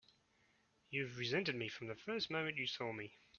You've resented me from the first moment you saw me!